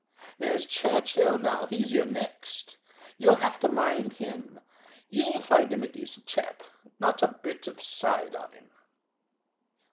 There's Churchill now, he's your next. You'll have to mind him. You'll find him a decent chap. Not a bit of side on him."